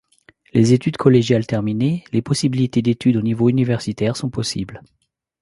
Les études collégiales terminées, les possibilités d’études au niveau universitaire sont possibles.